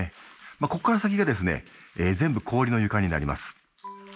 ここから先がですね全部氷の床になります。